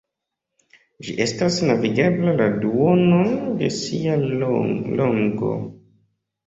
Ĝi estas navigebla la duonon de sia longo.